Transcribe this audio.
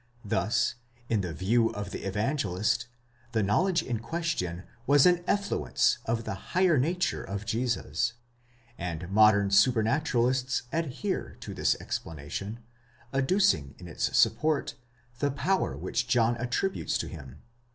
Thus in the view of the Evangelist, the knowledge in question was an effluence of the higher nature of Jesus, and modern supranaturalists adhere to this explanation, adducing in its support the power which John attributes to him (ii.